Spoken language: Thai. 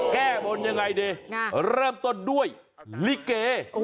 แก้บนอย่างไรดิร้ำตอนด้วยลิเก